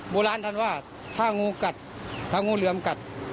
โบราณท่านว่าถ้างูกัดถ้างูเหลือมกัด